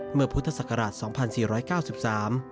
เมื่อพุทธศักรราช๒๔๙๓